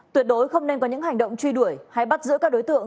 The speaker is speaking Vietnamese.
tuyệt đối không nên có những hành động truy đuổi hay bắt giữ các đối tượng